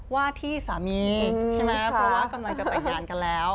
ว่าที่สามีใช่ไหมเพราะว่ากำลังจะแต่งงานกันแล้ว